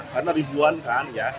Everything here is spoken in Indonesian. karena ribuan kan